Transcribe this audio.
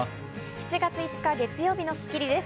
７月５日、月曜日の『スッキリ』です。